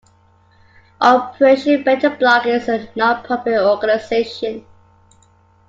Operation Better Block is a non profit organization.